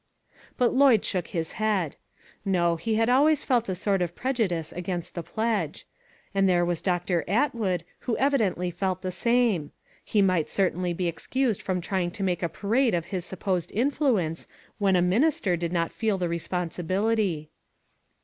But Lloyd shook his head. No, he had always felt a sort of prejudice against the pledge. And there was Doctor Atwood, who evidently felt the same. He might certainly be excused from trying to make a parade PLEDGES. 415 of his supposed influence, when a minister did not feel the responsibility.